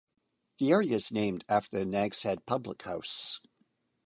The area is named after the Nag's Head public house.